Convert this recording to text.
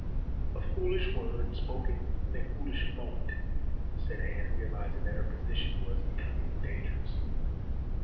"A foolish word spoken in a foolish moment," said Anne, realizing that her position was becoming dangerous.